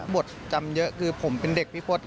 บทจำเยอะคือผมเป็นเด็กพี่พศ